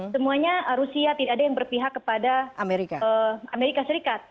semuanya rusia tidak ada yang berpihak kepada amerika serikat